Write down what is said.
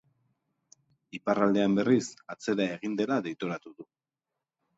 Iparraldean, berriz, atzera egin dela deitoratu du.